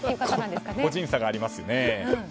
個人差がありますね。